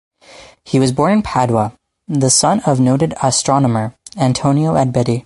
He was born in Padua, the son of noted astronomer Antonio Abetti.